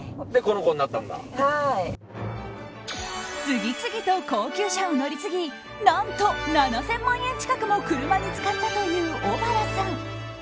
次々と高級車を乗り継ぎ何と７０００万円近くも車に使ったという小原さん。